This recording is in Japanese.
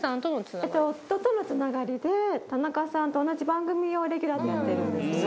夫とのつながりで田中さんと同じ番組をレギュラーでやってるんですね。